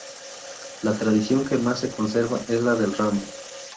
La tradición que más se conserva es la del Ramo.